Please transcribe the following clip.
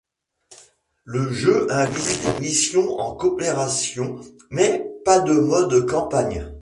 Le jeu inclut des missions en coopération, mais pas de mode campagne.